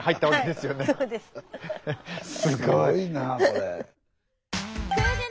すごいなこれ。